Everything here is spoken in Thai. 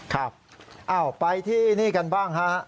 ครับไปที่นี่กันบ้างฮะ